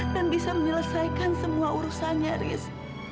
dan bisa menyelesaikan semua urusannya haris